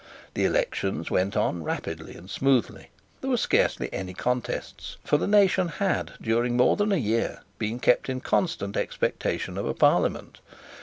The elections went on rapidly and smoothly. There were scarcely any contests. For the nation had, during more than a year, been kept in constant expectation of a Parliament.